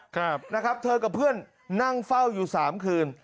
ครับนะครับเธอกับเพื่อนนั่งเฝ้าอยู่สามคืน